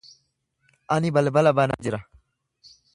Ani balbala banaa jira.